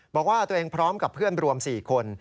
บอกว่าตัวเองพร้อมกับเพื่อนรวม๔คน